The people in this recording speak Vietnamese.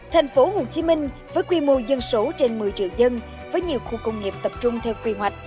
tp hcm với quy mô dân số trên một mươi triệu dân với nhiều khu công nghiệp tập trung theo quy hoạch